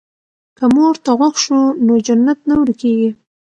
که مور ته غوږ شو نو جنت نه ورکيږي.